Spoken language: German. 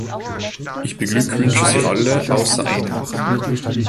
Ich beglückwünsche sie alle, außer einem.